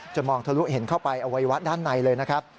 มองทะลุเห็นเข้าไปอวัยวะด้านในเลยนะครับ